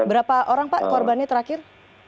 berapa orang pak korbannya terakhir